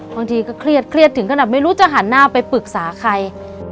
บางทีก็เครียดเครียดถึงขนาดไม่รู้จะหันหน้าไปปรึกษาใคร